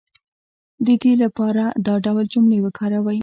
د دې لپاره دا ډول جملې وکاروئ